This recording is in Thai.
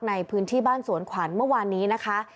ในพื้นที่บ้านสวนขวัญเมื่อวานนี้นะคะ